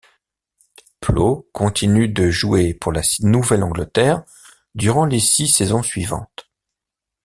Pleau continue de jouer pour la Nouvelle-Angleterre durant les six saisons suivantes.